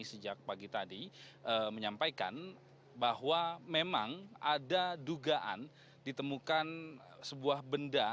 sejak pagi tadi menyampaikan bahwa memang ada dugaan ditemukan sebuah benda